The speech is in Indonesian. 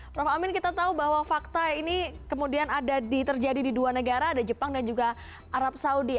prof amin kita tahu bahwa fakta ini kemudian terjadi di dua negara ada jepang dan juga arab saudi